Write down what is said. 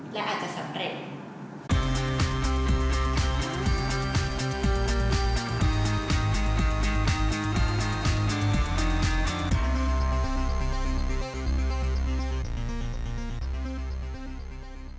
และอาจจะสำเร็จ